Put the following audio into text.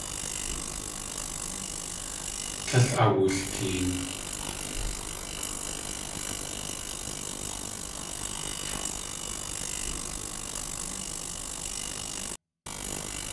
Tlél awulteen.